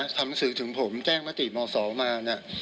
คำสื่อถึงผมแจ้งมาตรีบม๒มา